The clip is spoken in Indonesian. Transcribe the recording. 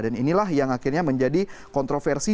dan inilah yang akhirnya menjadi kontroversi